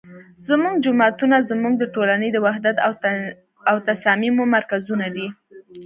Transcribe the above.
زمونږ جوماتونه زمونږ د ټولنې د وحدت او تصاميمو مرکزونه دي